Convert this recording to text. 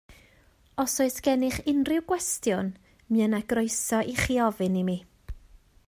Os oes gennych unrhyw gwestiwn, mae yna groeso ichi ofyn i mi